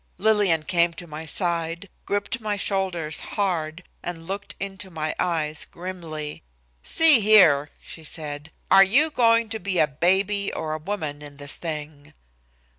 Lillian came to my side, gripped my shoulder hard, and looked into my eyes grimly. "See here," she said, "are you going to be a baby or a woman in this thing?"